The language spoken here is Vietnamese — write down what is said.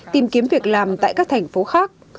tìm kiếm việc làm tại các thành phố khác